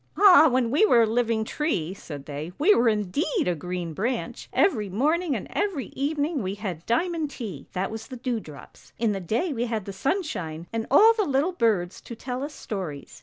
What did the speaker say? ' Ah, when we were a living tree,' said they, ' we were indeed a green branch! Every morning and every evening we had diamond tea, that was the dew drops. In the day we had the sunshine, and all the little birds to tell us stories.